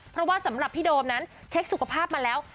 เพราะว่าสำหรับพี่โดมนั้นเช็คสุขภาพมาแล้ว